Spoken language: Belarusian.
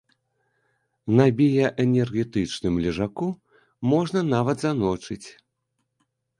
На біяэнергетычным лежаку можна нават заночыць.